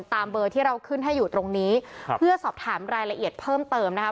ตามเบอร์ที่เราขึ้นให้อยู่ตรงนี้ครับเพื่อสอบถามรายละเอียดเพิ่มเติมนะคะ